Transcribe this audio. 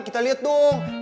kita liat dong